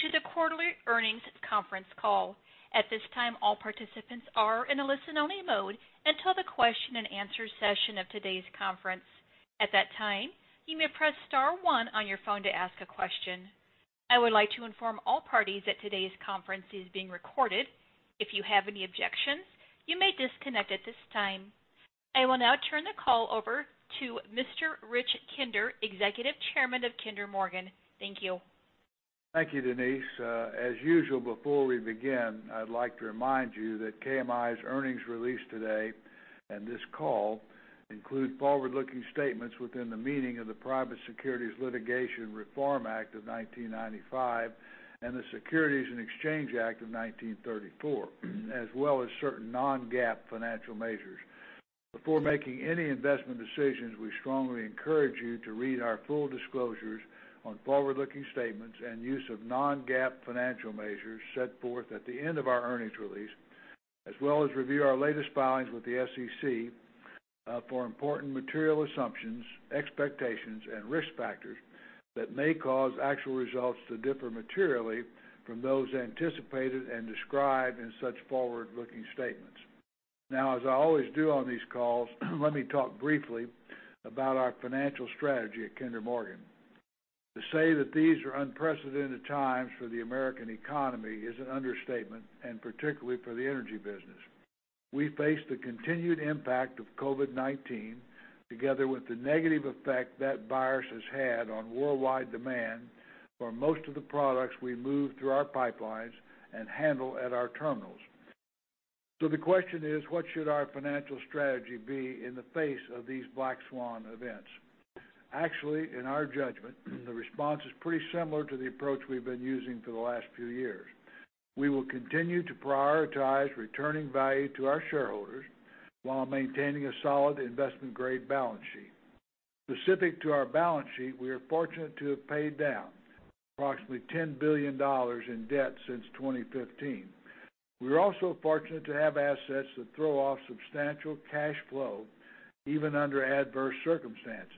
Welcome to the quarterly earnings conference call. At this time, all participants are in a listen-only mode until the question and answer session of today's conference. At that time, you may press star one on your phone to ask a question. I would like to inform all parties that today's conference is being recorded. If you have any objections, you may disconnect at this time. I will now turn the call over to Mr. Rich Kinder, Executive Chairman of Kinder Morgan. Thank you. Thank you, Denise. As usual, before we begin, I'd like to remind you that KMI's earnings release today and this call include forward-looking statements within the meaning of the Private Securities Litigation Reform Act of 1995 and the Securities Exchange Act of 1934, as well as certain non-GAAP financial measures. Before making any investment decisions, we strongly encourage you to read our full disclosures on forward-looking statements and use of non-GAAP financial measures set forth at the end of our earnings release, as well as review our latest filings with the SEC for important material assumptions, expectations, and risk factors that may cause actual results to differ materially from those anticipated and described in such forward-looking statements. As I always do on these calls, let me talk briefly about our financial strategy at Kinder Morgan. To say that these are unprecedented times for the American economy is an understatement, particularly for the energy business. We face the continued impact of COVID-19, together with the negative effect that virus has had on worldwide demand for most of the products we move through our pipelines and handle at our terminals. The question is, what should our financial strategy be in the face of these black swan events? Actually, in our judgment, the response is pretty similar to the approach we've been using for the last few years. We will continue to prioritize returning value to our shareholders while maintaining a solid investment-grade balance sheet. Specific to our balance sheet, we are fortunate to have paid down approximately $10 billion in debt since 2015. We are also fortunate to have assets that throw off substantial cash flow, even under adverse circumstances.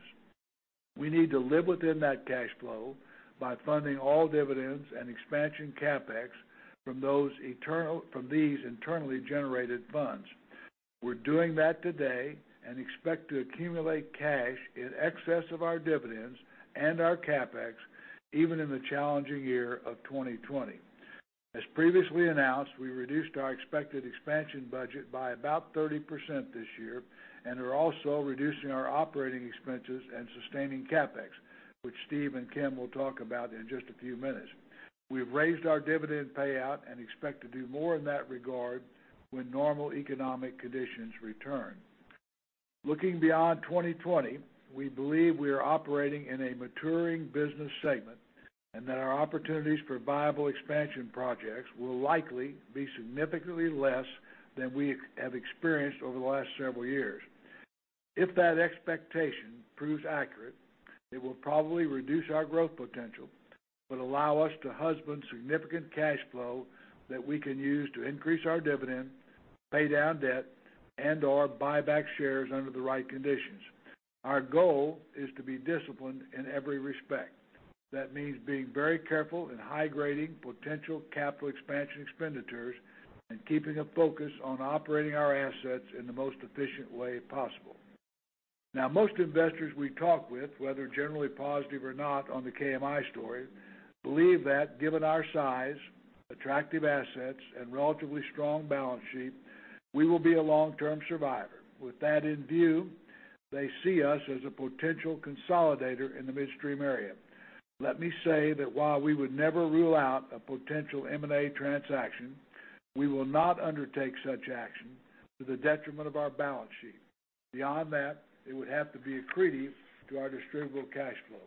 We need to live within that cash flow by funding all dividends and expansion CapEx from these internally generated funds. We're doing that today and expect to accumulate cash in excess of our dividends and our CapEx even in the challenging year of 2020. As previously announced, we reduced our expected expansion budget by about 30% this year and are also reducing our operating expenses and sustaining CapEx, which Steve and Kim will talk about in just a few minutes. We've raised our dividend payout and expect to do more in that regard when normal economic conditions return. Looking beyond 2020, we believe we are operating in a maturing business segment, and that our opportunities for viable expansion projects will likely be significantly less than we have experienced over the last several years. If that expectation proves accurate, it will probably reduce our growth potential but allow us to husband significant cash flow that we can use to increase our dividend, pay down debt, and/or buy back shares under the right conditions. Our goal is to be disciplined in every respect. That means being very careful in high-grading potential capital expansion expenditures and keeping a focus on operating our assets in the most efficient way possible. Most investors we talk with, whether generally positive or not on the KMI story, believe that given our size, attractive assets, and relatively strong balance sheet, we will be a long-term survivor. With that in view, they see us as a potential consolidator in the midstream area. Let me say that while we would never rule out a potential M&A transaction, we will not undertake such action to the detriment of our balance sheet. Beyond that, it would have to be accretive to our distributable cash flow.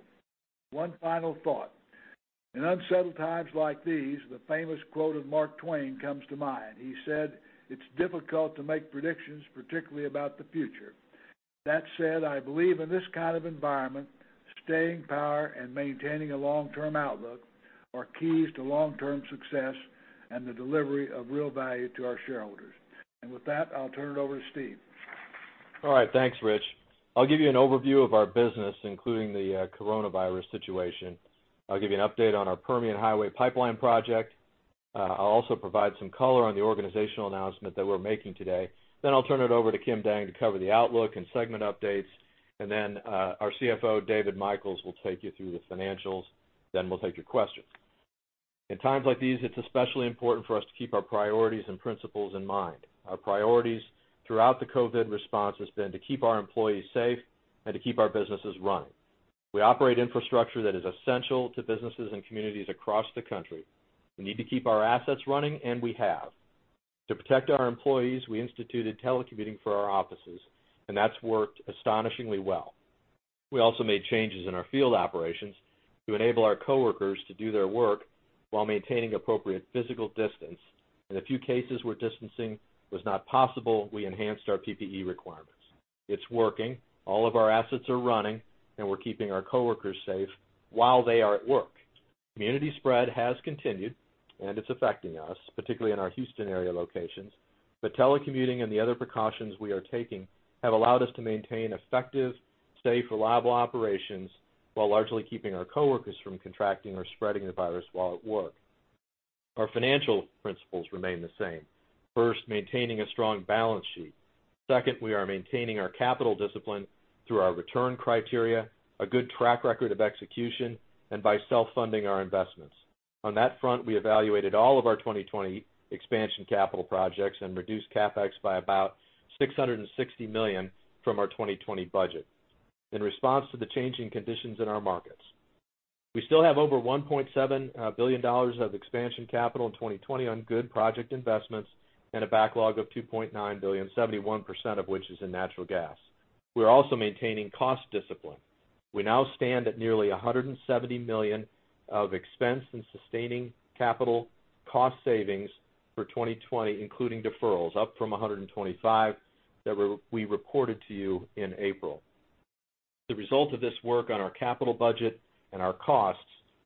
One final thought. In unsettled times like these, the famous quote of Mark Twain comes to mind. He said, "It's difficult to make predictions, particularly about the future." That said, I believe in this kind of environment, staying power and maintaining a long-term outlook are keys to long-term success and the delivery of real value to our shareholders. With that, I'll turn it over to Steve. All right. Thanks, Rich. I'll give you an overview of our business, including the coronavirus situation. I'll give you an update on our Permian Highway Pipeline project. I'll also provide some color on the organizational announcement that we're making today. I'll turn it over to Kim Dang to cover the outlook and segment updates. Our CFO, David Michels, will take you through the financials. We'll take your questions. In times like these, it's especially important for us to keep our priorities and principles in mind. Our priorities throughout the COVID response has been to keep our employees safe and to keep our businesses running. We operate infrastructure that is essential to businesses and communities across the country. We need to keep our assets running, and we have. To protect our employees, we instituted telecommuting for our offices, and that's worked astonishingly well. We also made changes in our field operations to enable our coworkers to do their work while maintaining appropriate physical distance. In a few cases where distancing was not possible, we enhanced our PPE requirements. It's working. All of our assets are running, and we're keeping our coworkers safe while they are at work. Community spread has continued, and it's affecting us, particularly in our Houston area locations. Telecommuting and the other precautions we are taking have allowed us to maintain effective, safe, reliable operations while largely keeping our coworkers from contracting or spreading the virus while at work. Our financial principles remain the same. First, maintaining a strong balance sheet. Second, we are maintaining our capital discipline through our return criteria, a good track record of execution, and by self-funding our investments. On that front, we evaluated all of our 2020 expansion capital projects and reduced CapEx by about $660 million from our 2020 budget in response to the changing conditions in our markets. We still have over $1.7 billion of expansion capital in 2020 on good project investments and a backlog of $2.9 billion, 71% of which is in natural gas. We're also maintaining cost discipline. We now stand at nearly $170 million of expense in sustaining capital cost savings for 2020, including deferrals, up from $125 that we reported to you in April. The result of this work on our capital budget and our costs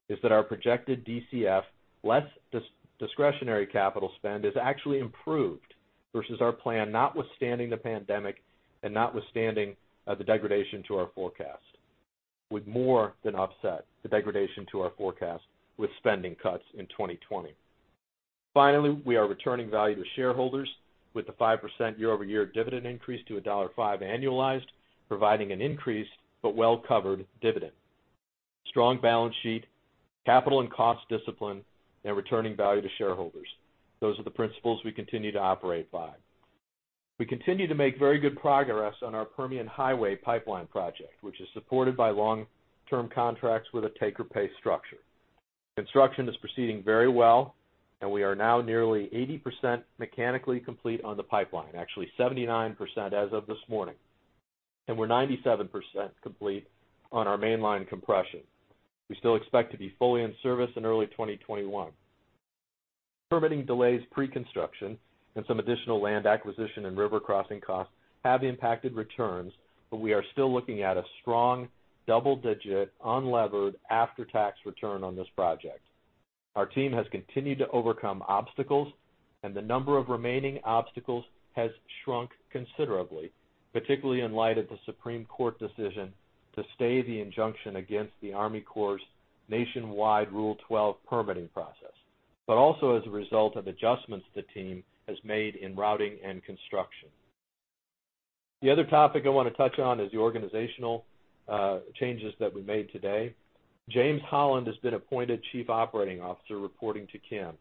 is that our projected DCF, less discretionary capital spend, is actually improved versus our plan, notwithstanding the pandemic and notwithstanding the degradation to our forecast, would more than offset the degradation to our forecast with spending cuts in 2020. Finally, we are returning value to shareholders with a 5% year-over-year dividend increase to $1.05 annualized, providing an increase, but well-covered dividend. Strong balance sheet, capital and cost discipline, and returning value to shareholders. Those are the principles we continue to operate by. We continue to make very good progress on our Permian Highway Pipeline project, which is supported by long-term contracts with a take-or-pay structure. Construction is proceeding very well, and we are now nearly 80% mechanically complete on the pipeline. Actually, 79% as of this morning. We're 97% complete on our mainline compression. We still expect to be fully in service in early 2021. Permitting delays pre-construction and some additional land acquisition and river crossing costs have impacted returns, but we are still looking at a strong, double-digit, unlevered, after-tax return on this project. Our team has continued to overcome obstacles, and the number of remaining obstacles has shrunk considerably, particularly in light of the Supreme Court decision to stay the injunction against the Army Corps' Nationwide Permit 12 permitting process, but also as a result of adjustments the team has made in routing and construction. The other topic I want to touch on is the organizational changes that we made today. James Holland has been appointed Chief Operating Officer, reporting to Kim.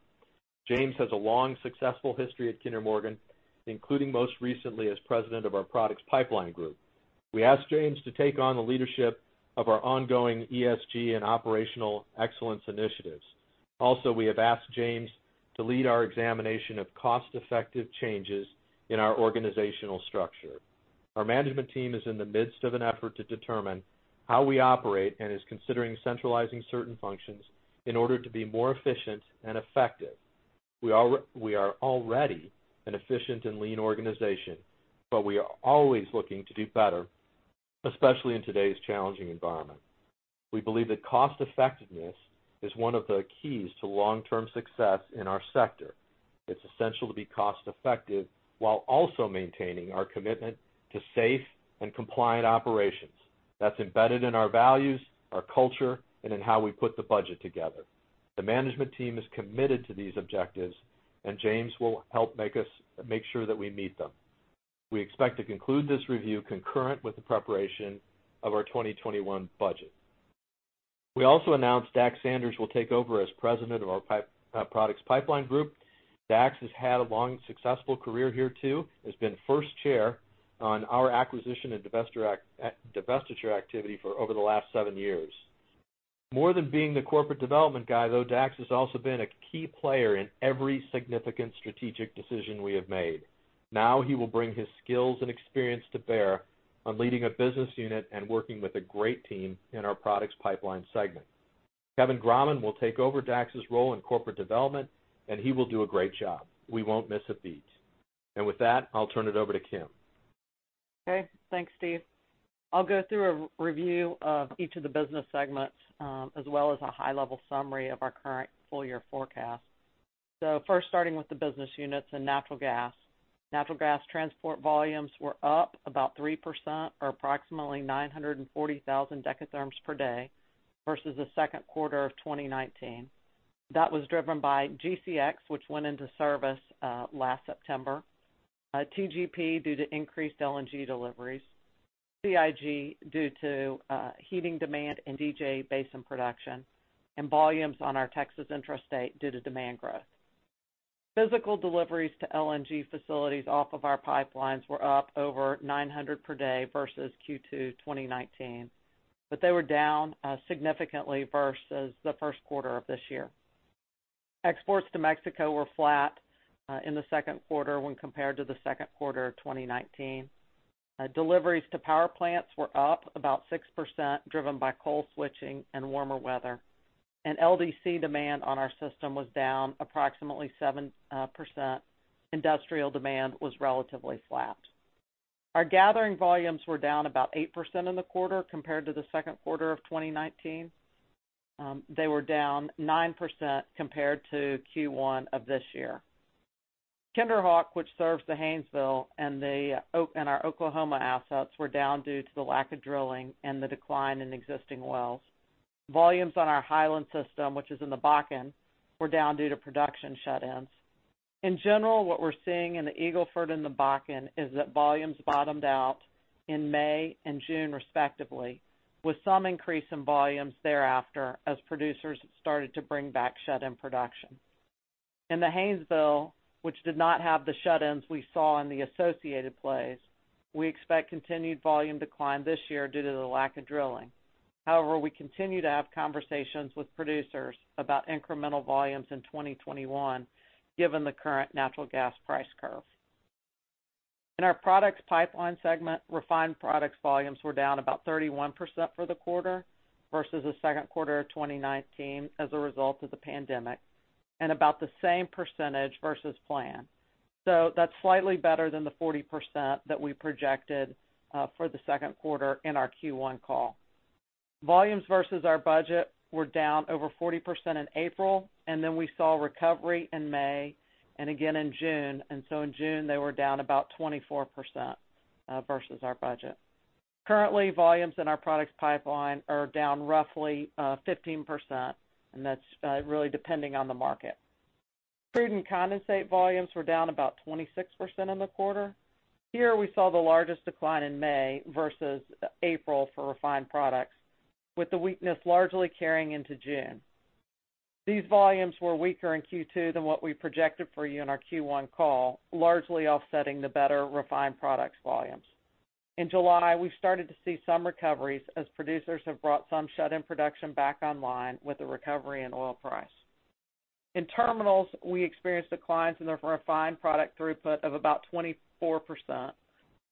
James has a long, successful history at Kinder Morgan, including most recently as president of our Products Pipelines. We asked James to take on the leadership of our ongoing ESG and operational excellence initiatives. We have asked James to lead our examination of cost-effective changes in our organizational structure. Our management team is in the midst of an effort to determine how we operate and is considering centralizing certain functions in order to be more efficient and effective. We are already an efficient and lean organization, but we are always looking to do better, especially in today's challenging environment. We believe that cost-effectiveness is one of the keys to long-term success in our sector. It's essential to be cost-effective while also maintaining our commitment to safe and compliant operations. That's embedded in our values, our culture, and in how we put the budget together. The management team is committed to these objectives, and James will help make sure that we meet them. We expect to conclude this review concurrent with the preparation of our 2021 budget. We also announced Dax Sanders will take over as president of our Products Pipelines group. Dax has had a long, successful career here, too. Has been first chair on our acquisition and divestiture activity for over the last seven years. More than being the corporate development guy, though, Dax has also been a key player in every significant strategic decision we have made. Now he will bring his skills and experience to bear on leading a business unit and working with a great team in our Products Pipelines segment. Kevin Grahmann will take over Dax's role in corporate development, and he will do a great job. We won't miss a beat. With that, I'll turn it over to Kim. Okay. Thanks, Steve. I'll go through a review of each of the business segments, as well as a high-level summary of our current full-year forecast. First, starting with the business units and natural gas. Natural gas transport volumes were up about 3%, or approximately 940,000 dekatherms per day versus the second quarter of 2019. That was driven by GCX, which went into service last September. TGP, due to increased LNG deliveries. CIG, due to heating demand and DJ Basin production, and volumes on our Texas intrastate due to demand growth. Physical deliveries to LNG facilities off of our pipelines were up over 900 per day versus Q2 2019. They were down significantly versus the first quarter of this year. Exports to Mexico were flat in the second quarter when compared to the second quarter of 2019. Deliveries to power plants were up about 6%, driven by coal switching and warmer weather, and LDC demand on our system was down approximately 7%. Industrial demand was relatively flat. Our gathering volumes were down about 8% in the quarter compared to the second quarter of 2019. They were down 9% compared to Q1 of this year. KinderHawk, which serves the Haynesville and our Oklahoma assets, were down due to the lack of drilling and the decline in existing wells. Volumes on our Hiland system, which is in the Bakken, were down due to production shut-ins. In general, what we're seeing in the Eagle Ford and the Bakken is that volumes bottomed out in May and June respectively, with some increase in volumes thereafter as producers started to bring back shut-in production. In the Haynesville, which did not have the shut-ins we saw in the associated plays, we expect continued volume decline this year due to the lack of drilling. We continue to have conversations with producers about incremental volumes in 2021 given the current natural gas price curve. In our products pipeline segment, refined products volumes were down about 31% for the quarter versus the second quarter of 2019 as a result of the pandemic, and about the same percentage versus plan. That's slightly better than the 40% that we projected for the second quarter in our Q1 call. Volumes versus our budget were down over 40% in April, and then we saw recovery in May and again in June. In June, they were down about 24% versus our budget. Currently, volumes in our products pipeline are down roughly 15%, and that's really depending on the market. Crude and condensate volumes were down about 26% in the quarter. Here we saw the largest decline in May versus April for refined products, with the weakness largely carrying into June. These volumes were weaker in Q2 than what we projected for you in our Q1 call, largely offsetting the better refined products volumes. In July, we started to see some recoveries as producers have brought some shut-in production back online with the recovery in oil price. In terminals, we experienced declines in the refined product throughput of about 24%,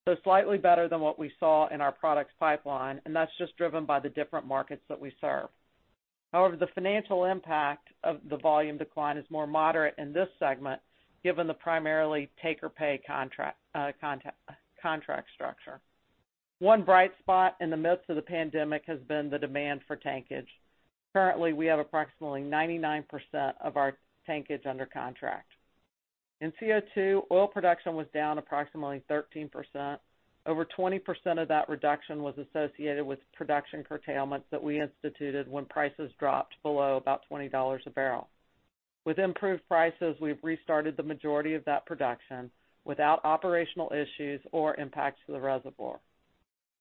so slightly better than what we saw in our products pipeline, and that's just driven by the different markets that we serve. However, the financial impact of the volume decline is more moderate in this segment, given the primarily take-or-pay contract structure. One bright spot in the midst of the pandemic has been the demand for tankage. Currently, we have approximately 99% of our tankage under contract. In CO2, oil production was down approximately 13%. Over 20% of that reduction was associated with production curtailments that we instituted when prices dropped below about $20 a barrel. With improved prices, we've restarted the majority of that production without operational issues or impacts to the reservoir.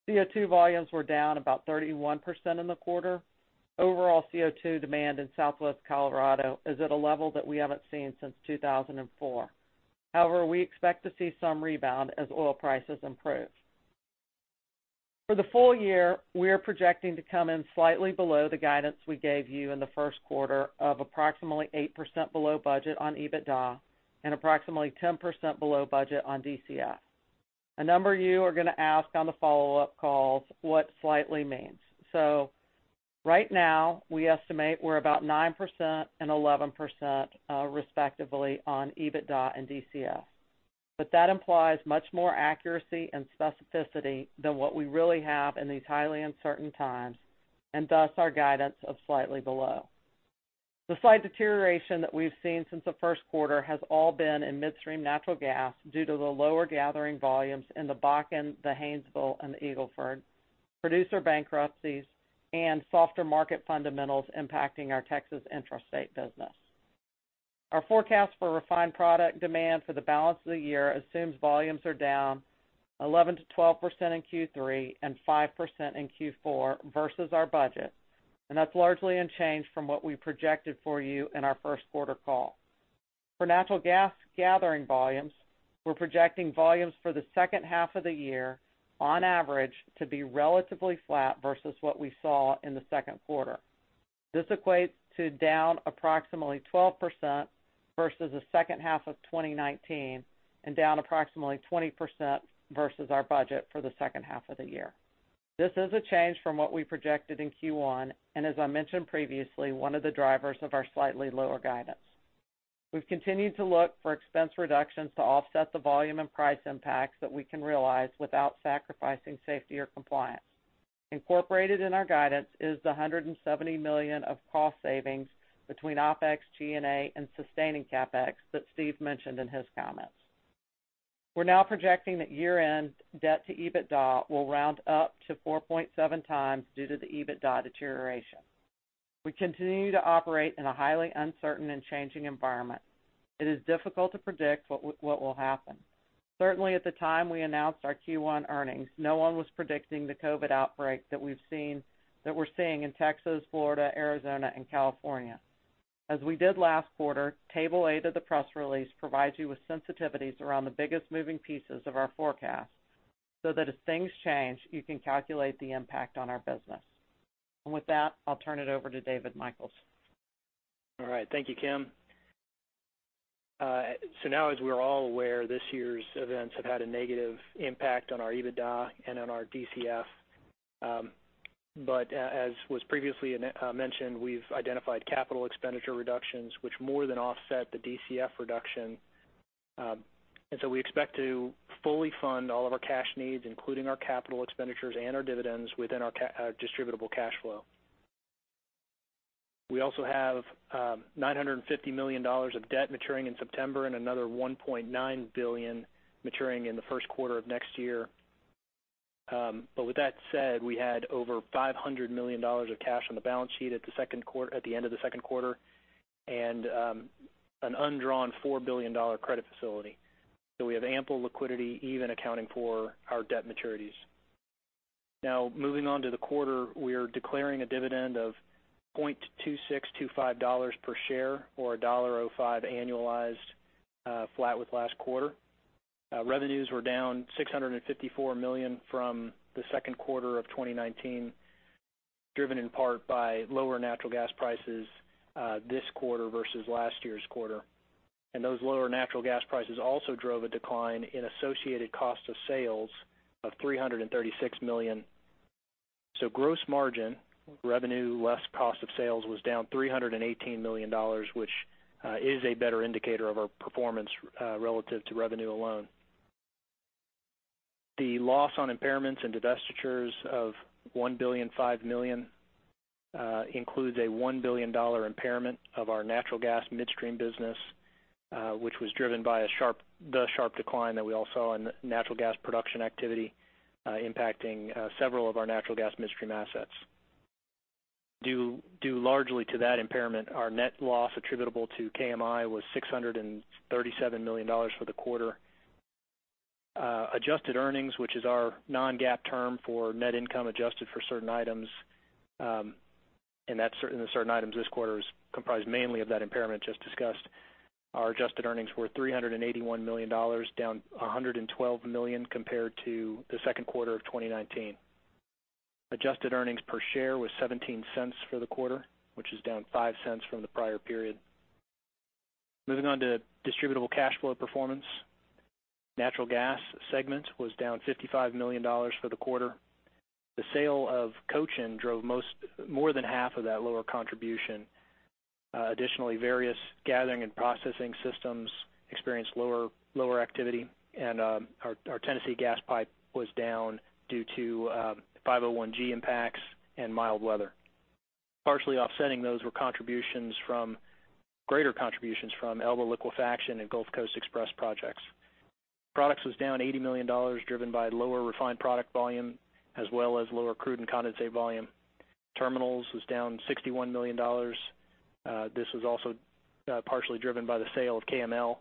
CO2 volumes were down about 31% in the quarter. Overall CO2 demand in southwest Colorado is at a level that we haven't seen since 2004. We expect to see some rebound as oil prices improve. For the full year, we are projecting to come in slightly below the guidance we gave you in the first quarter of approximately 8% below budget on EBITDA and approximately 10% below budget on DCF. A number of you are going to ask on the follow-up calls what slightly means. Right now, we estimate we're about 9% and 11%, respectively, on EBITDA and DCF. That implies much more accuracy and specificity than what we really have in these highly uncertain times, and thus our guidance of slightly below. The slight deterioration that we've seen since the first quarter has all been in midstream natural gas due to the lower gathering volumes in the Bakken, the Haynesville, and the Eagle Ford, producer bankruptcies, and softer market fundamentals impacting our Texas intrastate business. Our forecast for refined product demand for the balance of the year assumes volumes are down 11%-12% in Q3 and 5% in Q4 versus our budget, and that's largely unchanged from what we projected for you in our first quarter call. For natural gas gathering volumes, we're projecting volumes for the second half of the year, on average, to be relatively flat versus what we saw in the second quarter. This equates to down approximately 12% versus the second half of 2019 and down approximately 20% versus our budget for the second half of the year. This is a change from what we projected in Q1, and as I mentioned previously, one of the drivers of our slightly lower guidance. We've continued to look for expense reductions to offset the volume and price impacts that we can realize without sacrificing safety or compliance. Incorporated in our guidance is the $170 million of cost savings between OpEx, G&A, and sustaining CapEx that Steve mentioned in his comments. We're now projecting that year-end debt to EBITDA will round up to 4.7 times due to the EBITDA deterioration. We continue to operate in a highly uncertain and changing environment. It is difficult to predict what will happen. Certainly at the time we announced our Q1 earnings, no one was predicting the COVID outbreak that we're seeing in Texas, Florida, Arizona, and California. As we did last quarter, table eight of the press release provides you with sensitivities around the biggest moving pieces of our forecast so that as things change, you can calculate the impact on our business. With that, I'll turn it over to David Michels. All right. Thank you, Kim. As we're all aware, this year's events have had a negative impact on our EBITDA and on our DCF. As was previously mentioned, we've identified capital expenditure reductions, which more than offset the DCF reduction. We expect to fully fund all of our cash needs, including our capital expenditures and our dividends within our distributable cash flow. We also have $950 million of debt maturing in September and another $1.9 billion maturing in the first quarter of next year. With that said, we had over $500 million of cash on the balance sheet at the end of the second quarter, and an undrawn $4 billion credit facility. We have ample liquidity even accounting for our debt maturities. Moving on to the quarter, we are declaring a dividend of $0.2625 per share or $1.05 annualized, flat with last quarter. Revenues were down $654 million from the second quarter of 2019, driven in part by lower natural gas prices this quarter versus last year's quarter. Those lower natural gas prices also drove a decline in associated cost of sales of $336 million. Gross margin revenue, less cost of sales, was down $318 million, which is a better indicator of our performance relative to revenue alone. The loss on impairments and divestitures of $1.5billion includes a $1 billion impairment of our natural gas midstream business, which was driven by the sharp decline that we all saw in natural gas production activity, impacting several of our natural gas midstream assets. Due largely to that impairment, our net loss attributable to KMI was $637 million for the quarter. Adjusted earnings, which is our non-GAAP term for net income adjusted for certain items, and the certain items this quarter is comprised mainly of that impairment just discussed. Our adjusted earnings were $381 million, down $112 million compared to the second quarter of 2019. Adjusted earnings per share was $0.17 for the quarter, which is down $0.05 from the prior period. Moving on to distributable cash flow performance. Natural gas segment was down $55 million for the quarter. The sale of Cochin Pipeline drove more than half of that lower contribution. Additionally, various gathering and processing systems experienced lower activity, and our Tennessee Gas Pipeline was down due to 501 impacts and mild weather. Partially offsetting those were greater contributions from Elba Liquefaction and Gulf Coast Express projects. Products was down $80 million, driven by lower refined product volume, as well as lower crude and condensate volume. Terminals was down $61 million. This was also partially driven by the sale of KML,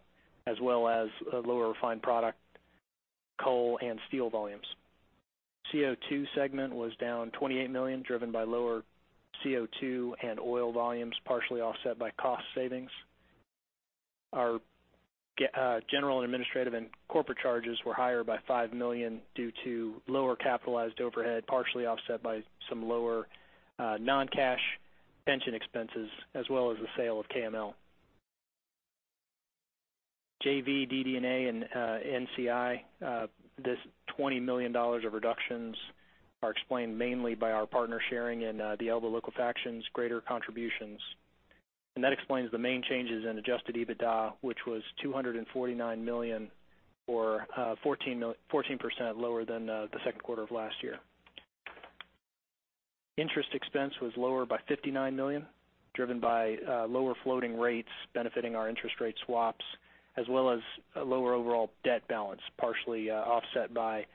as well as lower refined product, coal, and steel volumes. CO2 Segment was down $28 million, driven by lower CO2 and oil volumes, partially offset by cost savings. Our general and administrative and corporate charges were higher by $5 million due to lower capitalized overhead, partially offset by some lower non-cash pension expenses as well as the sale of KML. JV, DD&A, and NCI. This $20 million of reductions are explained mainly by our partner sharing in the Elba Liquefaction's greater contributions. That explains the main changes in adjusted EBITDA, which was $249 million or 14% lower than the second quarter of last year. Interest expense was lower by $59 million, driven by lower floating rates benefiting our interest rate swaps, as well as a lower overall debt balance, partially offset by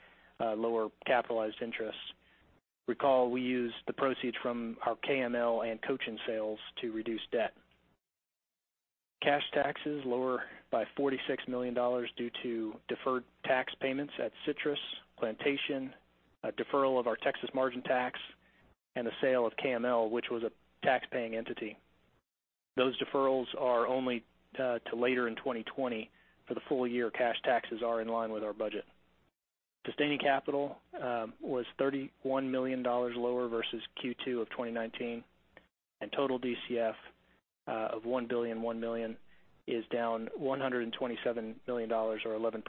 lower capitalized interest. Recall we used the proceeds from our KML and Cochin Pipeline sales to reduce debt. Cash taxes lower by $46 million due to deferred tax payments at Citrus, Plantation, a deferral of our Texas margin tax, and the sale of KML, which was a tax-paying entity. Those deferrals are only to later in 2020. For the full year cash taxes are in line with our budget. Sustaining capital was $31 million lower versus Q2 of 2019, and total DCF of $1 billion, $1 million is down $127 million or 11%.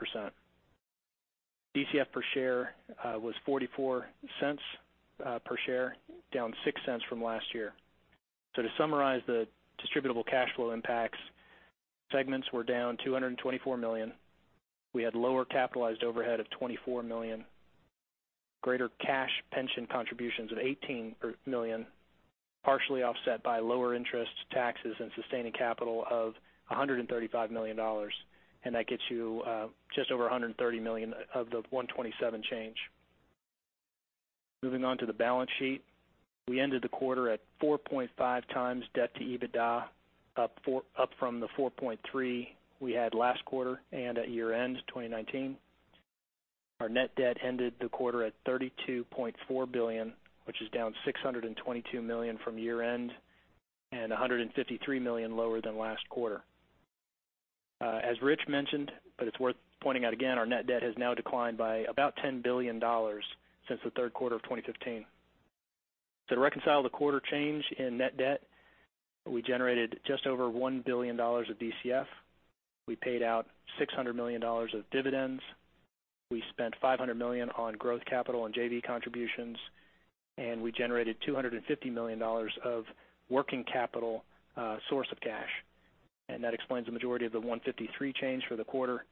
DCF per share was $0.44 per share, down $0.06 from last year. To summarize the distributable cash flow impacts, segments were down $224 million. We had lower capitalized overhead of $24 million, greater cash pension contributions of $18 million, partially offset by lower interest taxes and sustaining capital of $135 million. That gets you just over $130 million of the $127 change. Moving on to the balance sheet. We ended the quarter at 4.5 times debt to EBITDA, up from the 4.3 we had last quarter and at year-end 2019. Our net debt ended the quarter at $32.4 billion, which is down $622 million from year-end and $153 million lower than last quarter. As Rich mentioned, but it's worth pointing out again, our net debt has now declined by about $10 billion since the third quarter of 2015. To reconcile the quarter change in net debt, we generated just over $1 billion of DCF. We paid out $600 million of dividends. We spent $500 million on growth capital and JV contributions, and we generated $250 million of working capital source of cash. That explains the majority of the $153 change for the quarter.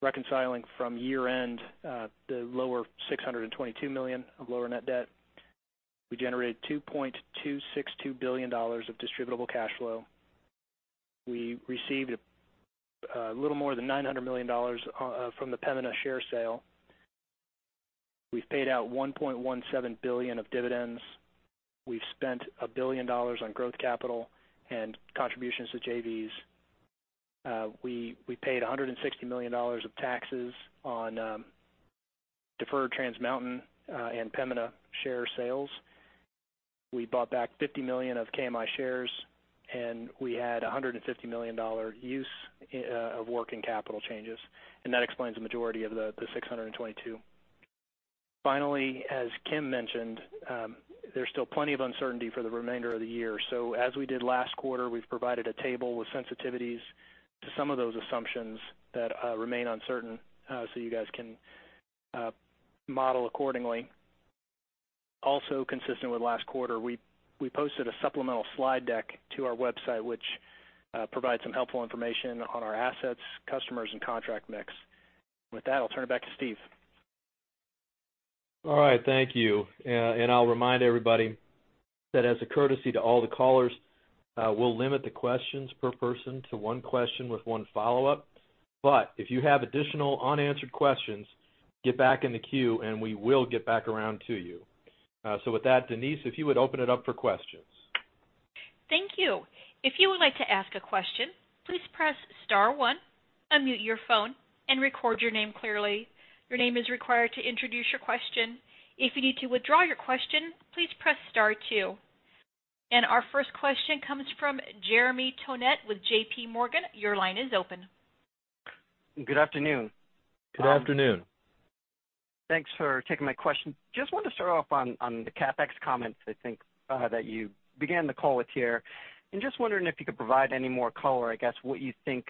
Reconciling from year-end, the lower $622 million of lower net debt. We generated $2.262 billion of distributable cash flow. We received a little more than $900 million from the Pembina share sale. We've paid out $1.17 billion of dividends. We've spent $1 billion on growth capital and contributions to JVs. We paid $160 million of taxes on deferred Trans Mountain and Pembina share sales. We bought back $50 million of KMI shares, and we had $150 million use of working capital changes. That explains the majority of the $622. Finally, as Kim mentioned, there's still plenty of uncertainty for the remainder of the year. As we did last quarter, we've provided a table with sensitivities to some of those assumptions that remain uncertain, so you guys can model accordingly. Also consistent with last quarter, we posted a supplemental slide deck to our website, which provides some helpful information on our assets, customers, and contract mix. With that, I'll turn it back to Steve. All right. Thank you. I'll remind everybody that as a courtesy to all the callers, we'll limit the questions per person to one question with one follow-up. If you have additional unanswered questions, get back in the queue and we will get back around to you. With that, Denise, if you would open it up for questions. Thank you. If you would like to ask a question, please press star one, unmute your phone, and record your name clearly. Your name is required to introduce your question. If you need to withdraw your question, please press star two. Our first question comes from Jeremy Tonet with J.P. Morgan. Your line is open. Good afternoon. Good afternoon. Thanks for taking my question. Just want to start off on the CapEx comments, I think that you began the call with here. Just wondering if you could provide any more color, I guess, what you think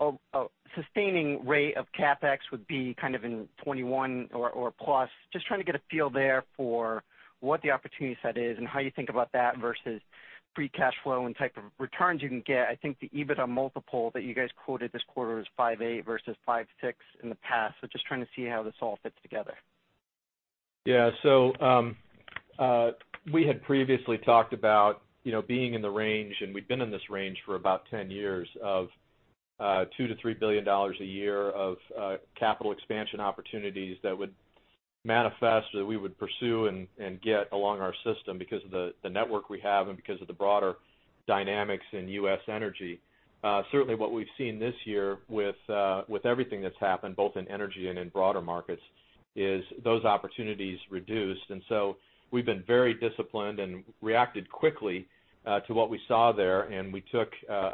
a sustaining rate of CapEx would be kind of in 2021 or plus. Just trying to get a feel there for what the opportunity set is and how you think about that versus free cash flow and type of returns you can get. I think the EBITDA multiple that you guys quoted this quarter is 5.8x versus 5.6x in the past. Just trying to see how this all fits together. Yeah. We had previously talked about being in the range, and we've been in this range for about 10 years, of $2 billion-$3 billion a year of capital expansion opportunities that would manifest or that we would pursue and get along our system because of the network we have and because of the broader dynamics in U.S. energy. Certainly, what we've seen this year with everything that's happened, both in energy and in broader markets, is those opportunities reduced. We've been very disciplined and reacted quickly to what we saw there, and we took a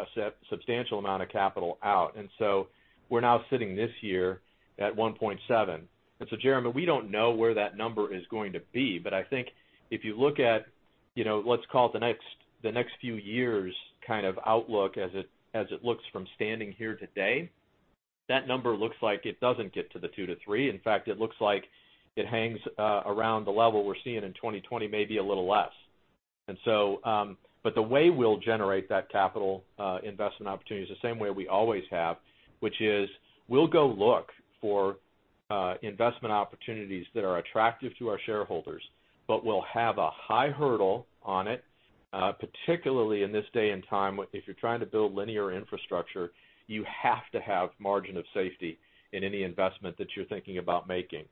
substantial amount of capital out. We're now sitting this year at $1.7. Jeremy, we don't know where that number is going to be, but I think if you look at, let's call it the next few years kind of outlook as it looks from standing here today, that number looks like it doesn't get to the two to three. In fact, it looks like it hangs around the level we're seeing in 2020, maybe a little less. The way we'll generate that capital investment opportunity is the same way we always have, which is we'll go look for investment opportunities that are attractive to our shareholders, but we'll have a high hurdle on it, particularly in this day and time. If you're trying to build linear infrastructure, you have to have margin of safety in any investment that you're thinking about making.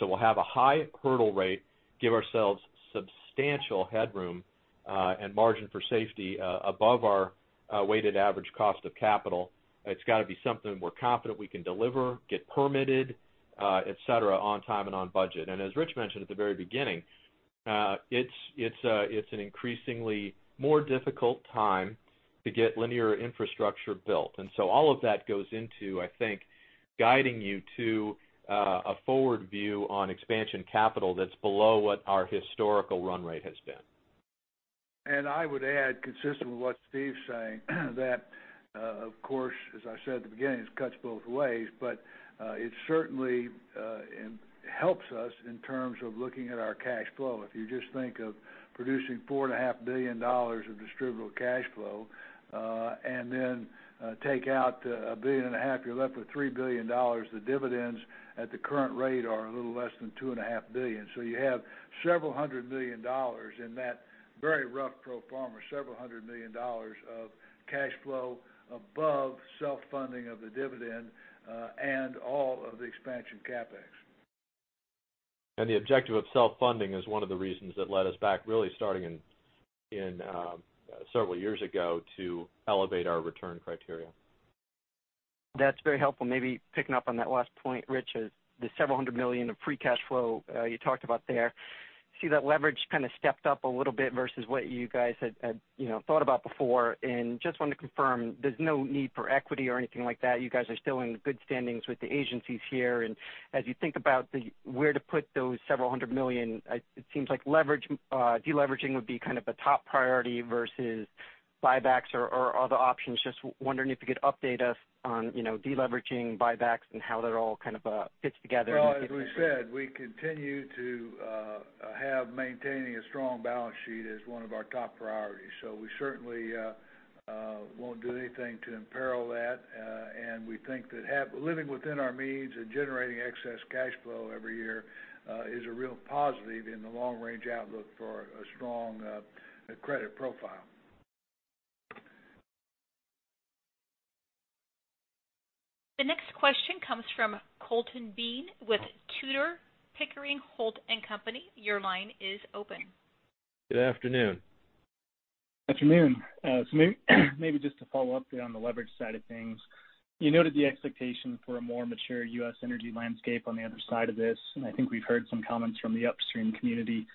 We'll have a high hurdle rate, give ourselves substantial headroom, and margin for safety above our weighted average cost of capital. It's got to be something we're confident we can deliver, get permitted, et cetera, on time and on budget. As Rich mentioned at the very beginning, it's an increasingly more difficult time to get linear infrastructure built. All of that goes into, I think, guiding you to a forward view on expansion capital that's below what our historical run rate has been. I would add, consistent with what Steve's saying, that of course, as I said at the beginning, this cuts both ways, but it certainly helps us in terms of looking at our cash flow. If you just think of producing $4.5 billion of distributable cash flow, and then take out $1.5 billion, you're left with $3 billion. The dividends at the current rate are a little less than $2.5 billion. You have several hundred million dollars in that very rough pro forma, several hundred million dollars of cash flow above self-funding of the dividend, and all of the expansion CapEx. The objective of self-funding is one of the reasons that led us back really starting several years ago to elevate our return criteria. That's very helpful. Maybe picking up on that last point, Rich, the several hundred million of free cash flow you talked about there. Just wanted to confirm there's no need for equity or anything like that. You guys are still in good standings with the agencies here. As you think about where to put those several hundred million, it seems like de-leveraging would be kind of a top priority versus buybacks or other options. Just wondering if you could update us on de-leveraging buybacks and how that all kind of fits together and fits into? As we said, we continue to have maintaining a strong balance sheet as one of our top priorities. We certainly won't do anything to imperil that. We think that living within our means and generating excess cash flow every year is a real positive in the long-range outlook for a strong credit profile. The next question comes from Colton Bean with Tudor, Pickering, Holt & Co.. Your line is open. Good afternoon. Afternoon. Maybe just to follow up on the leverage side of things. You noted the expectation for a more mature U.S. energy landscape on the other side of this, and I think we've heard some comments from the upstream community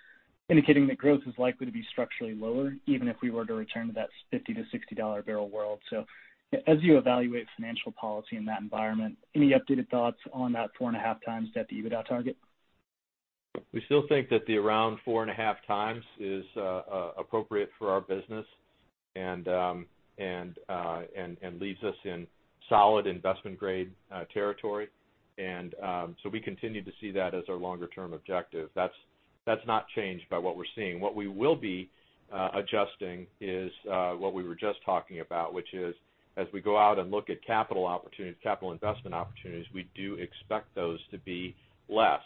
indicating that growth is likely to be structurally lower, even if we were to return to that $50-$60 barrel world. As you evaluate financial policy in that environment, any updated thoughts on that 4.5 times debt-to-EBITDA target? We still think that the around four and a half times is appropriate for our business and leaves us in solid investment-grade territory. We continue to see that as our longer-term objective. That's not changed by what we're seeing. What we will be adjusting is what we were just talking about, which is as we go out and look at capital investment opportunities, we do expect those to be less.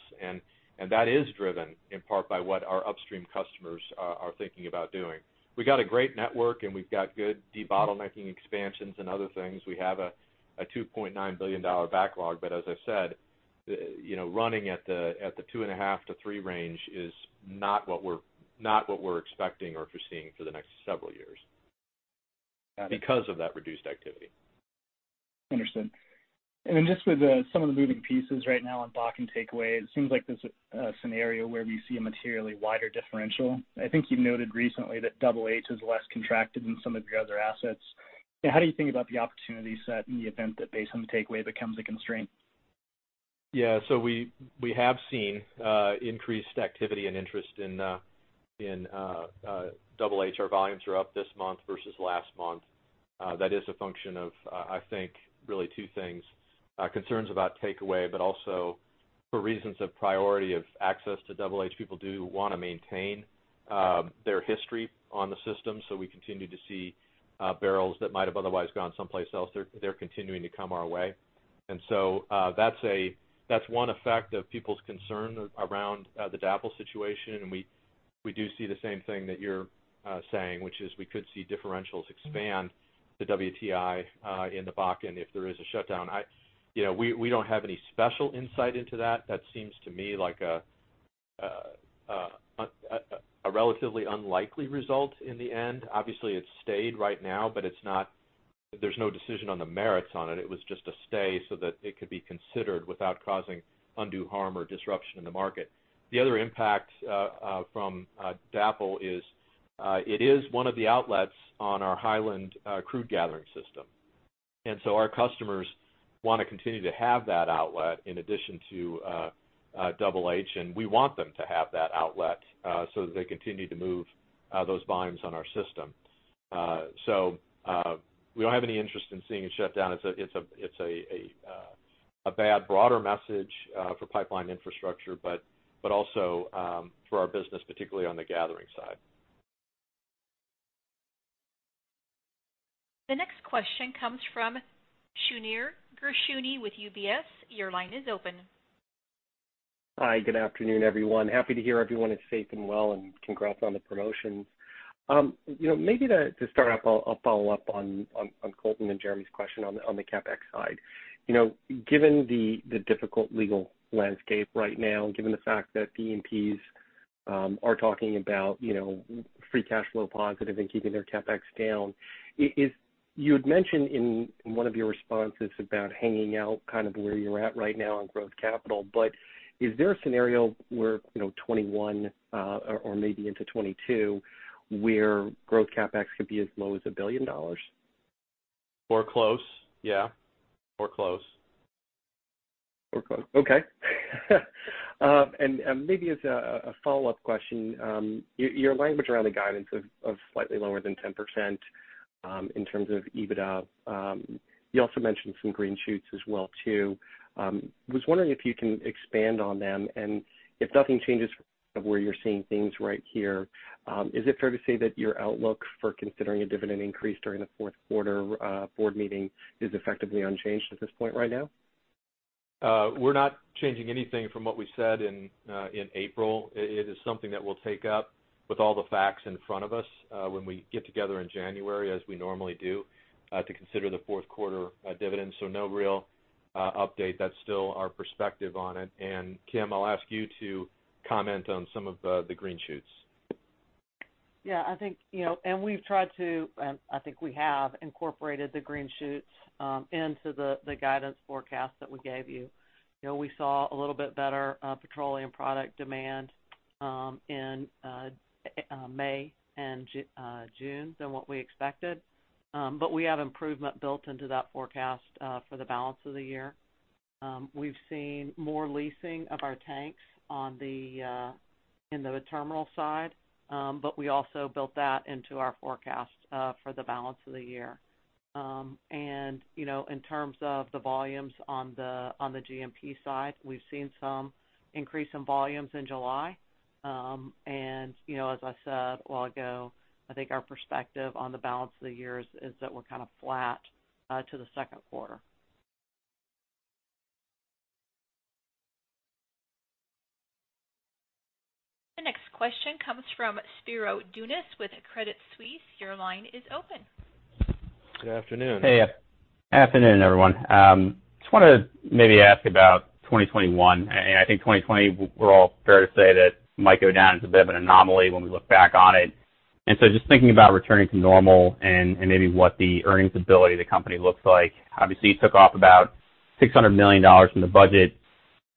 That is driven in part by what our upstream customers are thinking about doing. We got a great network, and we've got good debottlenecking expansions and other things. We have a $2.9 billion backlog. As I said, running at the two and a half to three range is not what we're expecting or foreseeing for the next several years because of that reduced activity. Understood. Just with some of the moving pieces right now on Bakken takeaway, it seems like there's a scenario where we see a materially wider differential. I think you noted recently that Double H Pipeline is less contracted than some of your other assets. Yeah, how do you think about the opportunity set in the event that Basin takeaway becomes a constraint? We have seen increased activity and interest in Double H. Our volumes are up this month versus last month. That is a function of, I think, really two things. Concerns about takeaway, also for reasons of priority of access to Double H. People do want to maintain their history on the system, so we continue to see barrels that might have otherwise gone someplace else. They're continuing to come our way. That's one effect of people's concern around the DAPL situation, and we do see the same thing that you're saying, which is we could see differentials expand to WTI in the Bakken if there is a shutdown. We don't have any special insight into that. That seems to me like a relatively unlikely result in the end. Obviously, it stayed right now, there's no decision on the merits on it. It was just a stay so that it could be considered without causing undue harm or disruption in the market. The other impact from DAPL is it is one of the outlets on our Hiland crude gathering system. Our customers want to continue to have that outlet in addition to Double H, and we want them to have that outlet so that they continue to move those volumes on our system. We don't have any interest in seeing it shut down. It's a bad broader message for pipeline infrastructure, but also for our business, particularly on the gathering side. The next question comes from Shneur Gershuni with UBS. Your line is open. Hi, good afternoon, everyone. Happy to hear everyone is safe and well, and congrats on the promotion. Maybe to start off, I'll follow up on Colton and Jeremy's question on the CapEx side. Given the difficult legal landscape right now, given the fact that E&Ps are talking about free cash flow positive and keeping their CapEx down, you had mentioned in one of your responses about hanging out kind of where you're at right now on growth capital. Is there a scenario where 2021 or maybe into 2022, where growth CapEx could be as low as $1 billion? close, yeah. close. Close. Okay. Maybe as a follow-up question, your language around the guidance of slightly lower than 10% in terms of EBITDA. You also mentioned some green shoots as well too. I was wondering if you can expand on them, and if nothing changes of where you're seeing things right here, is it fair to say that your outlook for considering a dividend increase during the fourth quarter board meeting is effectively unchanged at this point right now? We're not changing anything from what we said in April. It is something that we'll take up with all the facts in front of us when we get together in January as we normally do to consider the fourth quarter dividends. No real update. That's still our perspective on it. Kim, I'll ask you to comment on some of the green shoots. Yeah, I think we have incorporated the green shoots into the guidance forecast that we gave you. We saw a little bit better petroleum product demand in May and June than what we expected. We have improvement built into that forecast for the balance of the year. We've seen more leasing of our tanks in the terminal side. We also built that into our forecast for the balance of the year. In terms of the volumes on the G&P side, we've seen some increase in volumes in July. As I said a while ago, I think our perspective on the balance of the year is that we're kind of flat to the second quarter. The next question comes from Spiro Dounis with Credit Suisse. Your line is open. Good afternoon. Hey. Afternoon, everyone. Just wanted to maybe ask about 2021. I think 2020, we're all fair to say that might go down as a bit of an anomaly when we look back on it. Just thinking about returning to normal and maybe what the earnings ability of the company looks like. Obviously, you took off about $600 million from the budget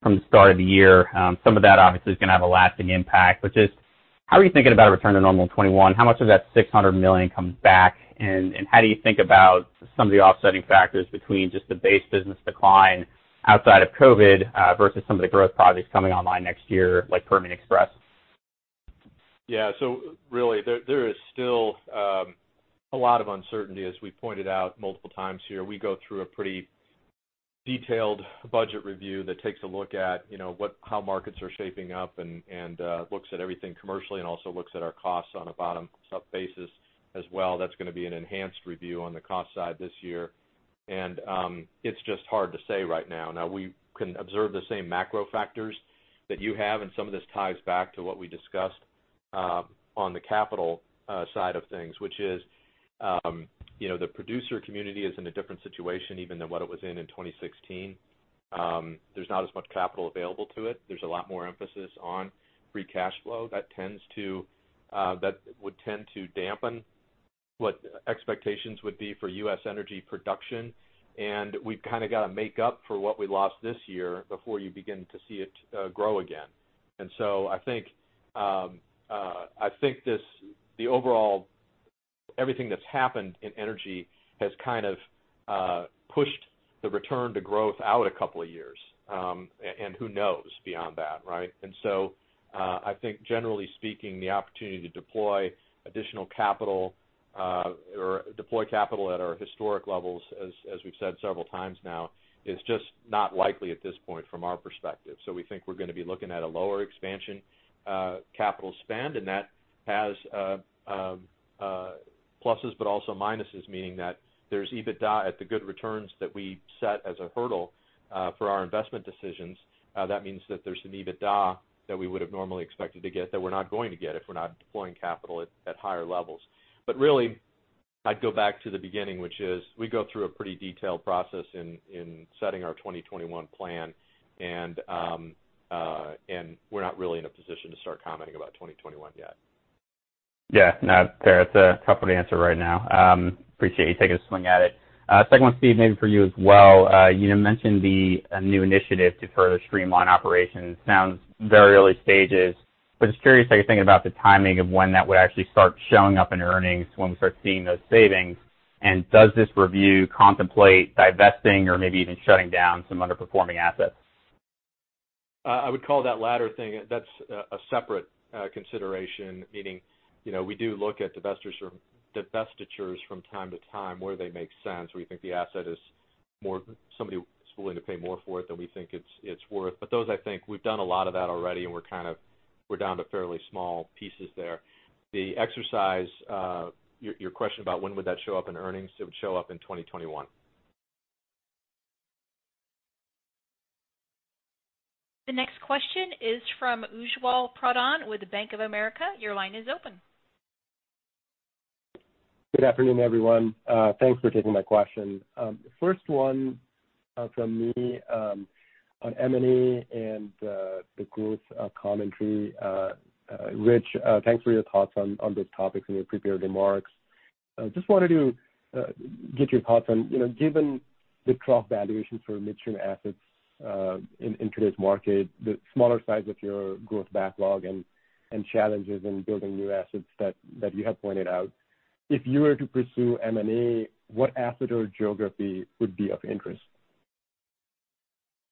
from the start of the year. Some of that obviously is going to have a lasting impact. Just how are you thinking about a return to normal in 2021? How much of that $600 million comes back, and how do you think about some of the offsetting factors between just the base business decline outside of COVID, versus some of the growth projects coming online next year, like Permian Highway Pipeline? Yeah. Really there is still a lot of uncertainty, as we pointed out multiple times here. We go through a pretty detailed budget review that takes a look at how markets are shaping up and looks at everything commercially and also looks at our costs on a bottom-up basis as well. That's going to be an enhanced review on the cost side this year. It's just hard to say right now. Now we can observe the same macro factors that you have, and some of this ties back to what we discussed on the capital side of things, which is the producer community is in a different situation even than what it was in 2016. There's not as much capital available to it. There's a lot more emphasis on free cash flow. That would tend to dampen what expectations would be for U.S. energy production, and we've kind of got to make up for what we lost this year before you begin to see it grow again. I think the overall everything that's happened in energy has kind of pushed the return to growth out a couple of years. Who knows beyond that, right? I think generally speaking, the opportunity to deploy additional capital or deploy capital at our historic levels, as we've said several times now, is just not likely at this point from our perspective. We think we're going to be looking at a lower expansion capital spend, and that has pluses but also minuses, meaning that there's EBITDA at the good returns that we set as a hurdle for our investment decisions. That means that there's some EBITDA that we would've normally expected to get that we're not going to get if we're not deploying capital at higher levels. Really, I'd go back to the beginning, which is we go through a pretty detailed process in setting our 2021 plan, and we're not really in a position to start commenting about 2021 yet. Yeah. No, fair. It's a tough one to answer right now. Appreciate you taking a swing at it. Second one, Steve, maybe for you as well. You mentioned the new initiative to further streamline operations. Sounds very early stages, but just curious how you're thinking about the timing of when that would actually start showing up in earnings, when we start seeing those savings. Does this review contemplate divesting or maybe even shutting down some underperforming assets? I would call that latter thing, that's a separate consideration, meaning we do look at divestitures from time to time where they make sense, where we think the asset is somebody is willing to pay more for it than we think it's worth. Those, I think, we've done a lot of that already, and we're down to fairly small pieces there. The exercise, your question about when would that show up in earnings? It would show up in 2021. The next question is from Ujjwal Pradhan with Bank of America. Your line is open. Good afternoon, everyone. Thanks for taking my question. First one from me on M&A and the growth commentary. Rich, thanks for your thoughts on those topics in your prepared remarks. Just wanted to get your thoughts on, given the trough valuations for midstream assets in today's market, the smaller size of your growth backlog and challenges in building new assets that you have pointed out. If you were to pursue M&A, what asset or geography would be of interest?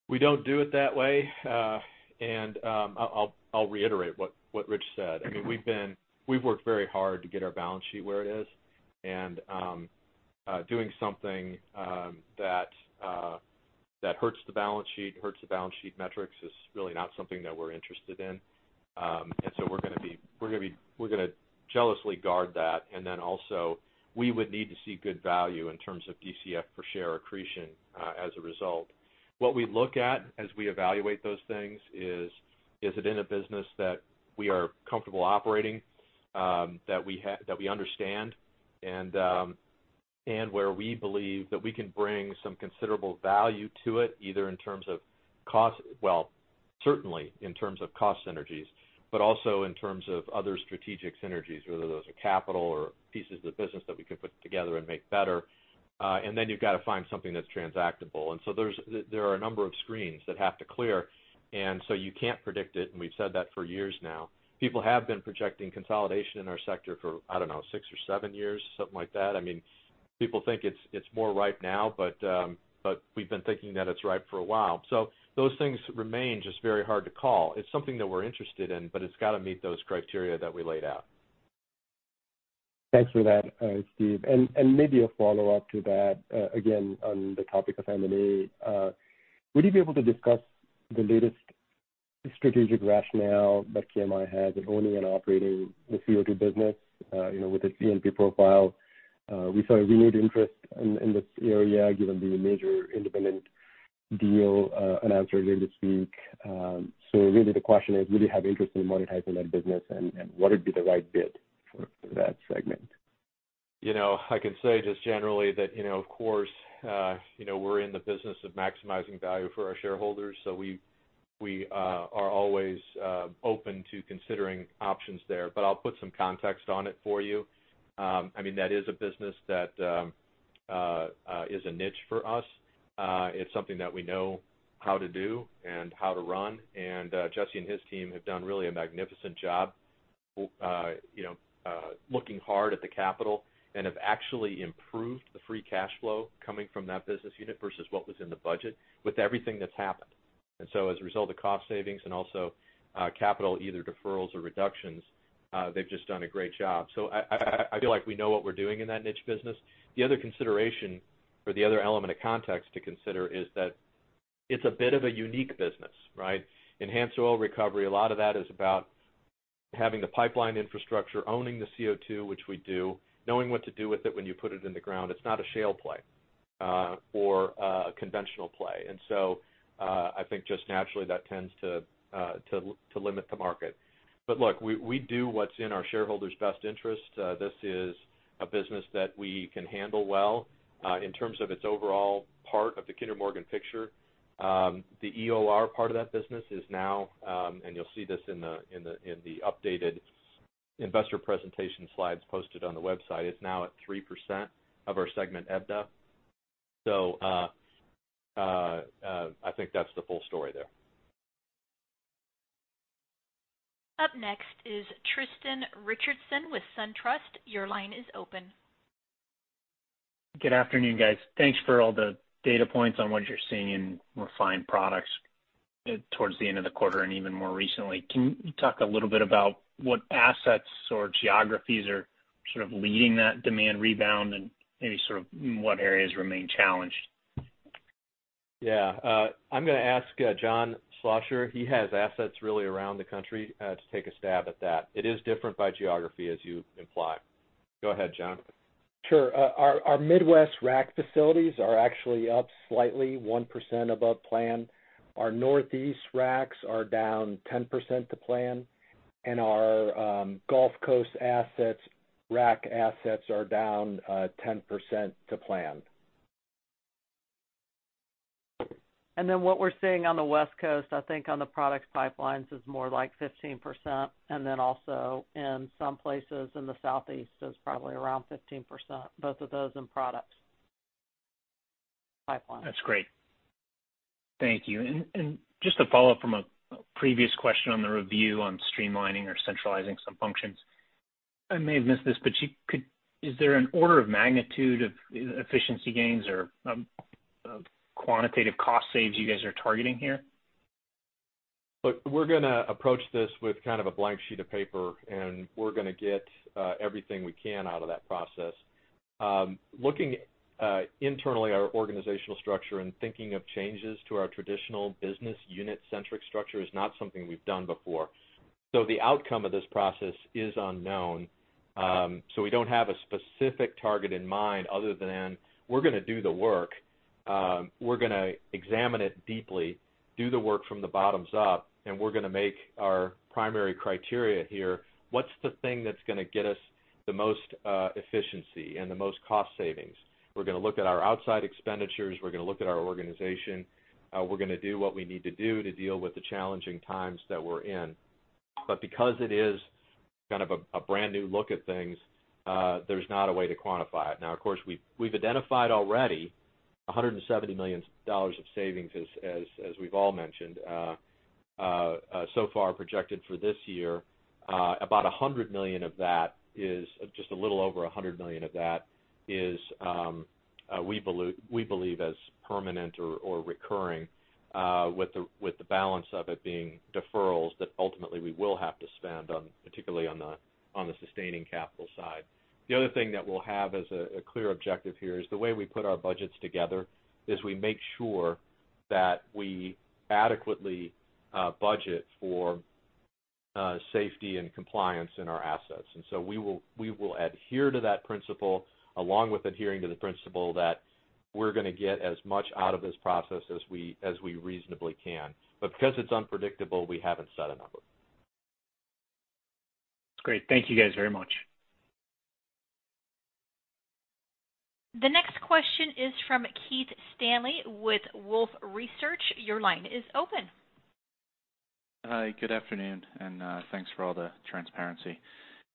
We don't do it that way. I'll reiterate what Rich said. We've worked very hard to get our balance sheet where it is, doing something that hurts the balance sheet, hurts the balance sheet metrics is really not something that we're interested in. We're going to jealously guard that, and then also, we would need to see good value in terms of DCF per share accretion as a result. What we look at as we evaluate those things is it in a business that we are comfortable operating, that we understand, and where we believe that we can bring some considerable value to it, either in terms of well, certainly in terms of cost synergies, but also in terms of other strategic synergies, whether those are capital or pieces of the business that we can put together and make better. You've got to find something that's transactable. There are a number of screens that have to clear, and so you can't predict it, and we've said that for years now. People have been projecting consolidation in our sector for, I don't know, six or seven years, something like that. People think it's more ripe now, we've been thinking that it's ripe for a while. Those things remain just very hard to call. It's something that we're interested in, but it's got to meet those criteria that we laid out. Thanks for that, Steve. Maybe a follow-up to that, again, on the topic of M&A. Would you be able to discuss the latest strategic rationale that KMI has in owning and operating the CO2 business with its E&P profile? We saw renewed interest in this area given the major independent deal announced earlier this week. Really the question is, will you have interest in monetizing that business, and what would be the right bid for that segment? I can say just generally that, of course we're in the business of maximizing value for our shareholders, so we are always open to considering options there. I'll put some context on it for you. That is a business that is a niche for us. It's something that we know how to do and how to run. Jesse and his team have done really a magnificent job looking hard at the capital and have actually improved the free cash flow coming from that business unit versus what was in the budget with everything that's happened. As a result of cost savings and also capital, either deferrals or reductions, they've just done a great job. I feel like we know what we're doing in that niche business. The other consideration or the other element of context to consider is that it's a bit of a unique business, right? Enhanced oil recovery, a lot of that is about having the pipeline infrastructure, owning the CO2, which we do, knowing what to do with it when you put it in the ground. It's not a shale play or a conventional play. I think just naturally, that tends to limit the market. Look, we do what's in our shareholders' best interest. This is a business that we can handle well in terms of its overall part of the Kinder Morgan picture. The EOR part of that business is now, and you'll see this in the updated investor presentation slides posted on the website, is now at 3% of our segment EBITDA. I think that's the full story there. Up next is Tristan Richardson with SunTrust. Your line is open. Good afternoon, guys. Thanks for all the data points on what you're seeing in refined products towards the end of the quarter and even more recently. Can you talk a little bit about what assets or geographies are sort of leading that demand rebound, and maybe what areas remain challenged? Yeah. I'm going to ask John Schlosser, he has assets really around the country, to take a stab at that. It is different by geography as you imply. Go ahead, John. Sure. Our Midwest rack facilities are actually up slightly, 1% above plan. Our Northeast racks are down 10% to plan. Our Gulf Coast assets, rack assets are down 10% to plan. What we're seeing on the West Coast, I think on the products pipelines, is more like 15%. Also in some places in the Southeast is probably around 15%, both of those in products pipelines. That's great. Thank you. Just to follow up from a previous question on the review on streamlining or centralizing some functions, I may have missed this, but is there an order of magnitude of efficiency gains or quantitative cost saves you guys are targeting here? Look, we're going to approach this with kind of a blank sheet of paper, and we're going to get everything we can out of that process. Looking internally our organizational structure and thinking of changes to our traditional business unit-centric structure is not something we've done before. The outcome of this process is unknown. We don't have a specific target in mind other than we're going to do the work. We're going to examine it deeply, do the work from the bottoms up, and we're going to make our primary criteria here, what's the thing that's going to get us the most efficiency and the most cost savings? We're going to look at our outside expenditures. We're going to look at our organization. We're going to do what we need to do to deal with the challenging times that we're in. Because it is kind of a brand-new look at things, there's not a way to quantify it. Of course, we've identified already $170 million of savings, as we've all mentioned, so far projected for this year. Just a little over $100 million of that is we believe as permanent or recurring, with the balance of it being deferrals that ultimately we will have to spend, particularly on the sustaining capital side. The other thing that we'll have as a clear objective here is the way we put our budgets together is we make sure that we adequately budget for safety and compliance in our assets. We will adhere to that principle along with adhering to the principle that we're going to get as much out of this process as we reasonably can. Because it's unpredictable, we haven't set a number. That's great. Thank you guys very much. The next question is from Keith Stanley with Wolfe Research. Your line is open. Hi, good afternoon, and thanks for all the transparency.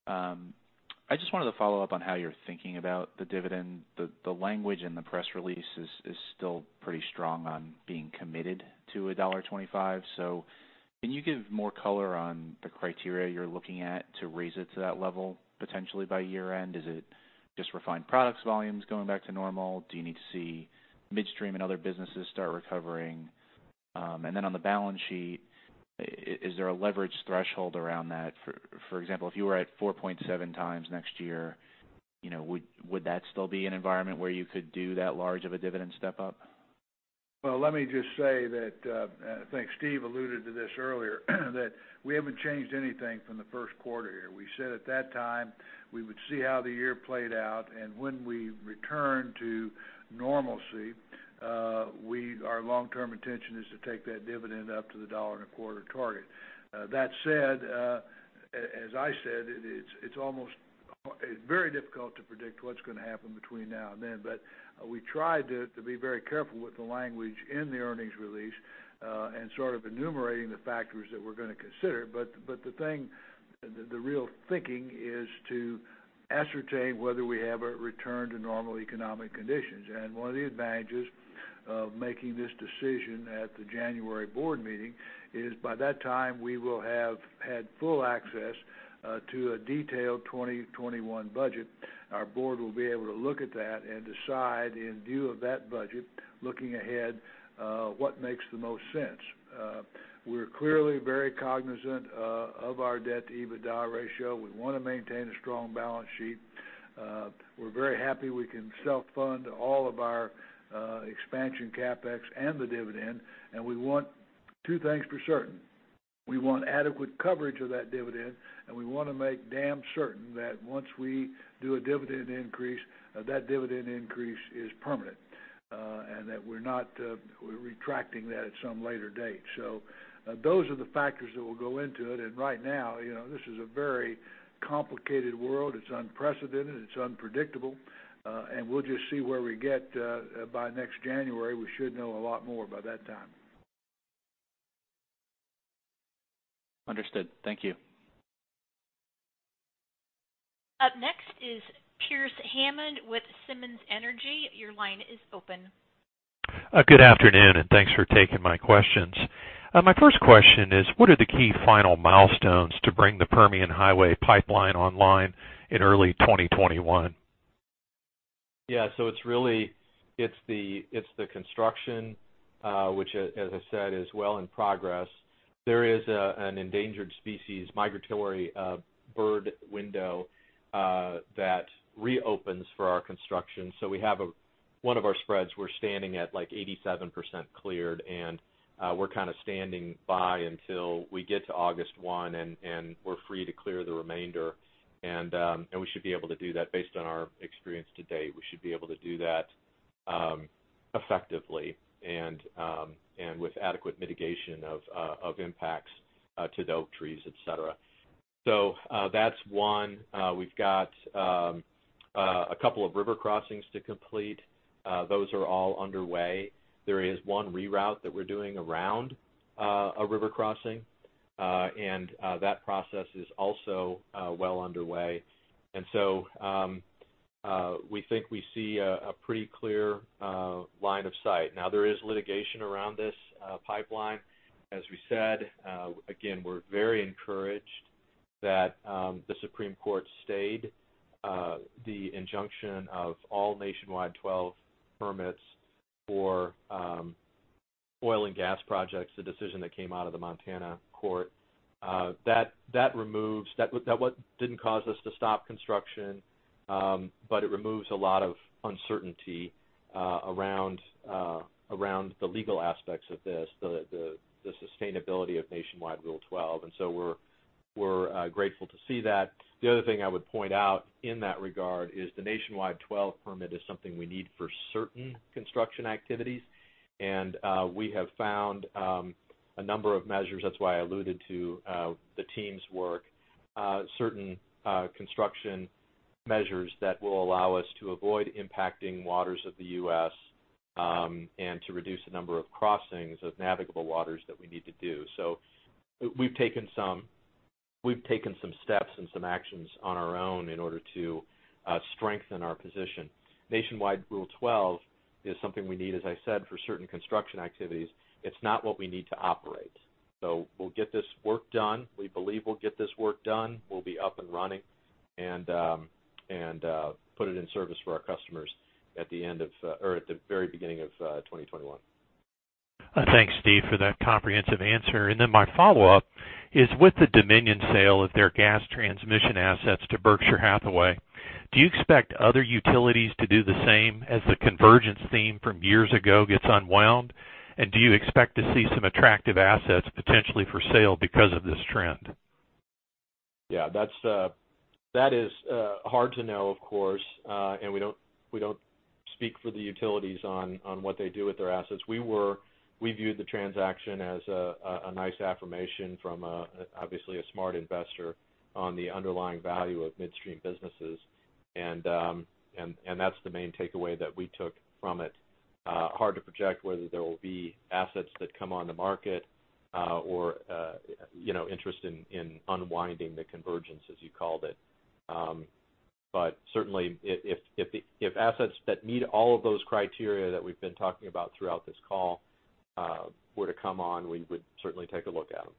I just wanted to follow up on how you're thinking about the dividend. The language in the press release is still pretty strong on being committed to a $1.25. Can you give more color on the criteria you're looking at to raise it to that level potentially by year-end? Is it just refined products volumes going back to normal? Do you need to see midstream and other businesses start recovering? On the balance sheet, is there a leverage threshold around that? For example, if you were at 4.7 times next year, would that still be an environment where you could do that large of a dividend step-up? Well, let me just say that, and I think Steven alluded to this earlier, that we haven't changed anything from the 1st quarter here. We said at that time, we would see how the year played out, and when we return to normalcy, our long-term intention is to take that dividend up to the $1.25 target. That said, as I said, it's very difficult to predict what's going to happen between now and then. We tried to be very careful with the language in the earnings release, and sort of enumerating the factors that we're going to consider. The real thinking is to ascertain whether we have a return to normal economic conditions. One of the advantages of making this decision at the January board meeting is by that time, we will have had full access to a detailed 2021 budget. Our board will be able to look at that and decide in view of that budget, looking ahead, what makes the most sense. We're clearly very cognizant of our debt-to-EBITDA ratio. We want to maintain a strong balance sheet. We're very happy we can self-fund all of our expansion CapEx and the dividend, and we want two things for certain. We want adequate coverage of that dividend, and we want to make damn certain that once we do a dividend increase, that dividend increase is permanent, and that we're not retracting that at some later date. Those are the factors that will go into it. Right now, this is a very complicated world. It's unprecedented, it's unpredictable, and we'll just see where we get by next January. We should know a lot more by that time. Understood. Thank you. Up next is Pearce Hammond with Simmons Energy. Your line is open. Good afternoon. Thanks for taking my questions. My first question is what are the key final milestones to bring the Permian Highway Pipeline online in early 2021? Yeah. It's the construction, which as I said, is well in progress. There is an endangered species, migratory bird window, that reopens for our construction. One of our spreads, we're standing at like 87% cleared, and we're kind of standing by until we get to August 1, and we're free to clear the remainder. We should be able to do that based on our experience to date. We should be able to do that effectively and with adequate mitigation of impacts to the oak trees, et cetera. That's one. We've got a couple of river crossings to complete. Those are all underway. There is one reroute that we're doing around a river crossing, and that process is also well underway. We think we see a pretty clear line of sight. There is litigation around this pipeline. As we said, again, we're very encouraged that the Supreme Court stayed the injunction of all Nationwide Permit 12 for oil and gas projects, the decision that came out of the Montana court. That didn't cause us to stop construction, but it removes a lot of uncertainty around the legal aspects of this, the sustainability of Nationwide Permit 12. We're grateful to see that. The other thing I would point out in that regard is the Nationwide Permit 12 is something we need for certain construction activities. We have found a number of measures, that's why I alluded to the team's work, certain construction measures that will allow us to avoid impacting waters of the U.S., and to reduce the number of crossings of navigable waters that we need to do. We've taken some steps and some actions on our own in order to strengthen our position. Nationwide Permit 12 is something we need, as I said, for certain construction activities. It's not what we need to operate. We'll get this work done. We believe we'll get this work done. We'll be up and running and put it in service for our customers at the very beginning of 2021. Thanks, Steve, for that comprehensive answer. My follow-up is with the Dominion sale of their gas transmission assets to Berkshire Hathaway, do you expect other utilities to do the same as the convergence theme from years ago gets unwound? Do you expect to see some attractive assets potentially for sale because of this trend? Yeah, that is hard to know, of course. We don't speak for the utilities on what they do with their assets. We viewed the transaction as a nice affirmation from obviously a smart investor on the underlying value of midstream businesses. That's the main takeaway that we took from it. Hard to project whether there will be assets that come on the market, or interest in unwinding the convergence, as you called it. Certainly, if assets that meet all of those criteria that we've been talking about throughout this call were to come on, we would certainly take a look at them.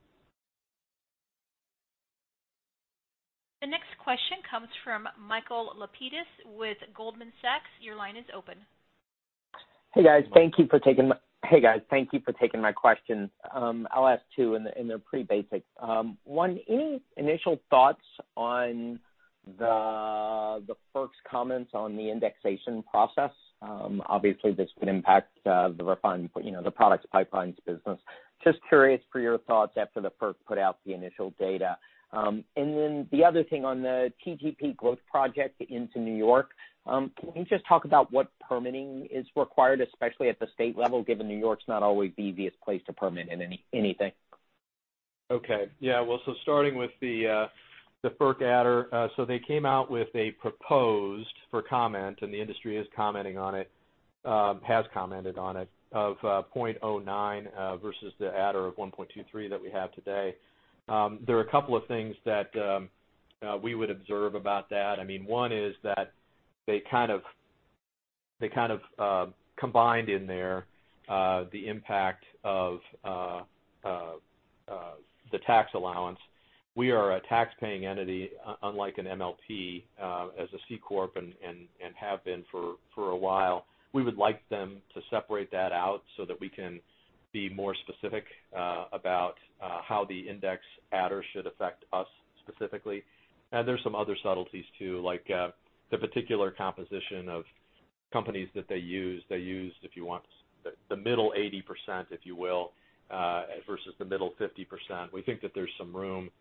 The next question comes from Michael Lapides with Goldman Sachs. Your line is open. Hey, guys. Thank you for taking my question. I'll ask two, and they're pretty basic. One, any initial thoughts on the FERC's comments on the indexation process? Obviously, this could impact the products pipelines business. Just curious for your thoughts after the FERC put out the initial data. The other thing on the TGP Growth project into New York. Can you just talk about what permitting is required, especially at the state level, given New York's not always the easiest place to permit anything? Starting with the FERC adder. They came out with a proposed for comment, and the industry is commenting on it, has commented on it, of 0.09 versus the adder of 1.23 that we have today. There are a couple of things that we would observe about that. I mean, one is that they kind of combined in there the impact of the tax allowance. We are a tax-paying entity, unlike an MLP, as a C Corp, and have been for a while. We would like them to separate that out so that we can be more specific about how the index adder should affect us specifically. There's some other subtleties, too, like the particular composition of companies that they use. They use, if you want, the middle 80%, if you will, versus the middle 50%. We think that there's some room.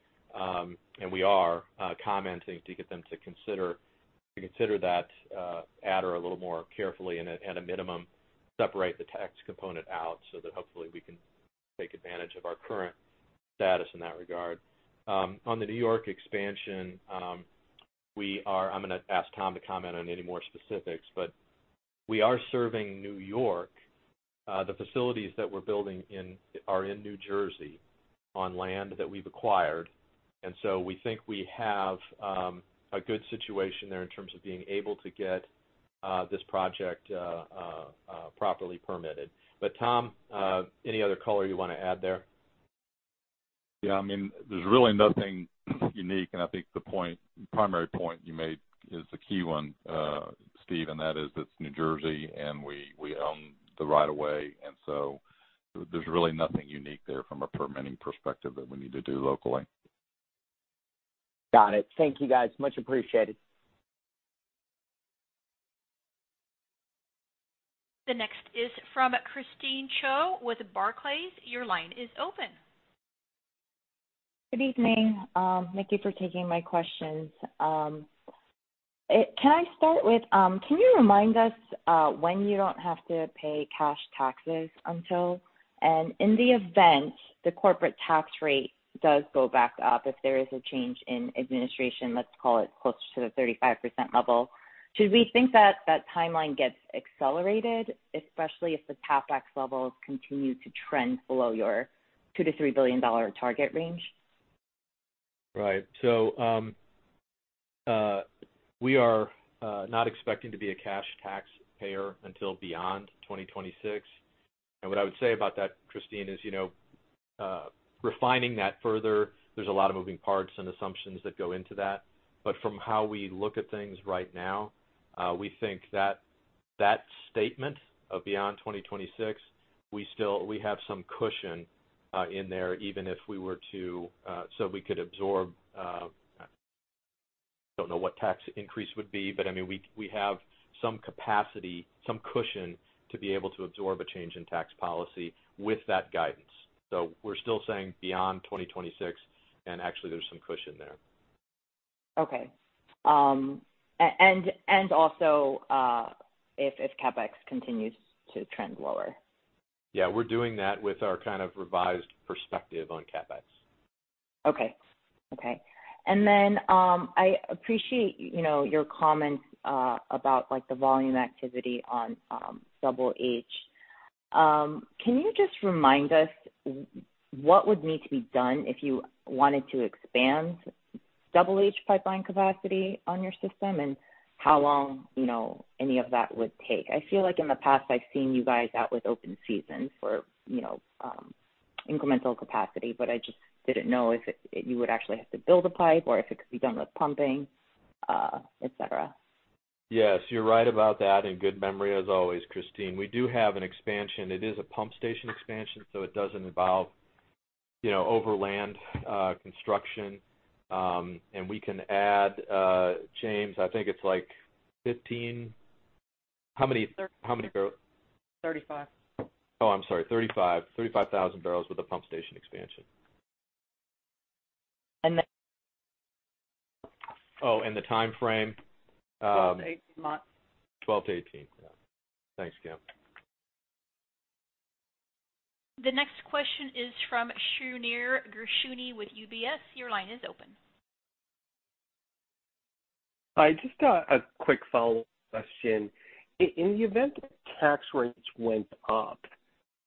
We are commenting to get them to consider that adder a little more carefully, and at a minimum, separate the tax component out so that hopefully we can take advantage of our current status in that regard. On the N.Y. expansion, I'm going to ask Tom to comment on any more specifics. We are serving N.Y. The facilities that we're building are in New Jersey on land that we've acquired. We think we have a good situation there in terms of being able to get this project properly permitted. Tom, any other color you want to add there? Yeah, there's really nothing unique, and I think the primary point you made is the key one, Steve, and that is it's New Jersey, and we own the right of way. There's really nothing unique there from a permitting perspective that we need to do locally. Got it. Thank you, guys. Much appreciated. The next is from Christine Cho with Barclays. Your line is open. Good evening. Thank you for taking my questions. Can you remind us when you don't have to pay cash taxes until? In the event the corporate tax rate does go back up, if there is a change in administration, let's call it closer to the 35% level, should we think that that timeline gets accelerated, especially if the CapEx levels continue to trend below your $2 billion-$3 billion target range? Right. We are not expecting to be a cash taxpayer until beyond 2026. What I would say about that, Christine, is refining that further, there's a lot of moving parts and assumptions that go into that. From how we look at things right now, we think that that statement of beyond 2026, we have some cushion in there even if we were to so we could absorb, I don't know what tax increase would be, but I mean, we have some capacity, some cushion to be able to absorb a change in tax policy with that guidance. We're still saying beyond 2026, and actually there's some cushion there. Okay. Also, if CapEx continues to trend lower. Yeah, we're doing that with our kind of revised perspective on CapEx. Okay. I appreciate your comments about the volume activity on Double H. Can you just remind us what would need to be done if you wanted to expand Double H Pipeline capacity on your system, and how long any of that would take? I feel like in the past I've seen you guys out with Open Season for incremental capacity, but I just didn't know if you would actually have to build a pipe or if it could be done with pumping, et cetera. Yes, you're right about that, and good memory as always, Christine. We do have an expansion. It is a pump station expansion, so it doesn't involve over land construction. We can add, James, I think it's 15. How many barrels? Thirty-five. Oh, I'm sorry, 35,000 barrels with the pump station expansion. And the- Oh, the timeframe? 12 to 18 months. 12 to 18, yeah. Thanks, Kim. The next question is from Shneur Gershuni with UBS. Your line is open. Hi, just a quick follow-up question. In the event that tax rates went up,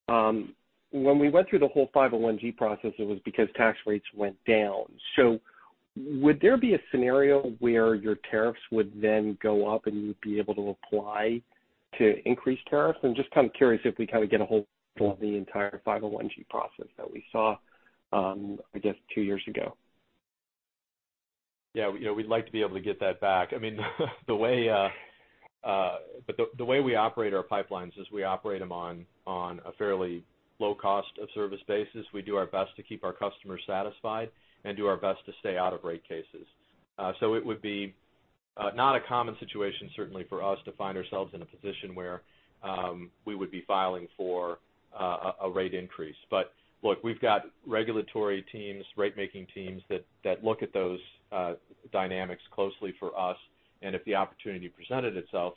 when we went through the whole 501 process, it was because tax rates went down. Would there be a scenario where your tariffs would then go up, and you'd be able to apply to increase tariffs? I'm just kind of curious if we kind of get a whole of the entire 501 process that we saw, I guess, two years ago. Yeah, we'd like to be able to get that back. I mean, the way we operate our pipelines is we operate them on a fairly low cost of service basis. We do our best to keep our customers satisfied and do our best to stay out of rate cases. It would be not a common situation, certainly for us, to find ourselves in a position where we would be filing for a rate increase. Look, we've got regulatory teams, rate-making teams, that look at those dynamics closely for us. If the opportunity presented itself,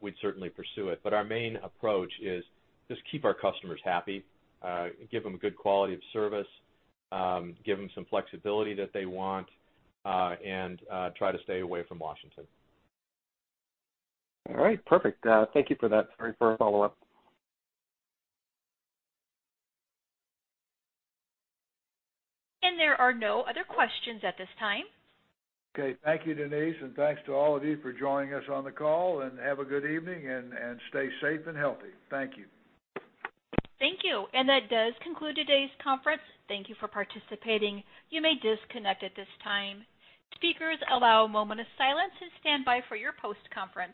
we'd certainly pursue it. Our main approach is just keep our customers happy, give them good quality of service, give them some flexibility that they want, and try to stay away from Washington. All right, perfect. Thank you for that. Sorry for the follow-up. There are no other questions at this time. Okay. Thank you, Denise, and thanks to all of you for joining us on the call, and have a good evening and stay safe and healthy. Thank you. Thank you. That does conclude today's conference. Thank you for participating. You may disconnect at this time. Speakers, allow a moment of silence and standby for your post-conference.